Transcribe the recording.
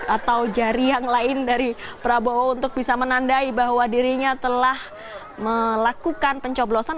atau jari yang lain dari prabowo untuk bisa menandai bahwa dirinya telah melakukan pencoblosan